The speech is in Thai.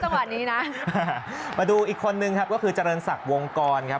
จังหวัดนี้นะมาดูอีกคนนึงครับก็คือเจริญศักดิ์วงกรครับ